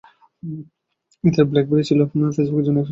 এক্ষেত্রে ব্ল্যাকবেরি কিনে নিলে ফেসবুকের জন্য হয়তো কাজটি সহজ হয়ে যাবে।